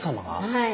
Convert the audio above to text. はい。